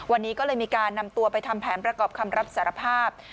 วันนี้ก็เลยมีการนำตัวไปทำแผนประกอบคำรับสารภาพ